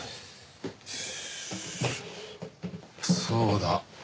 そうだ。